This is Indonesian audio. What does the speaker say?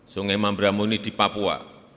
sungai mambramo ini di papua